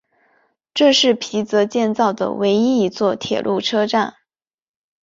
这是皮泽建造的唯一一座铁路车站。